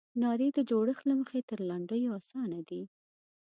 نارې د جوړښت له مخې تر لنډیو اسانه دي.